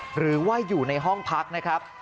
หรือว่าอยู่ในห้องพักนะครับ